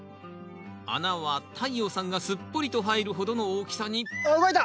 穴は太陽さんがすっぽりと入るほどの大きさにあっ動いた！